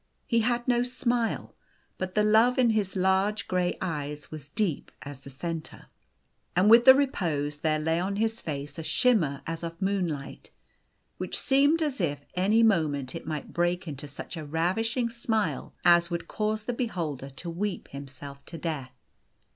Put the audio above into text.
He had no smile, but the love in his large gray eyes was deep as the centre. And with the repose there lay on his face a shimmer as of moonlight, which seemed as if any moment it might break into such a ravishing smile as would cause the beholder to weep himself to death.